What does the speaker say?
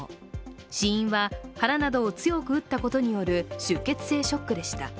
死因は腹などを強く打ったことによる出血性ショックでした。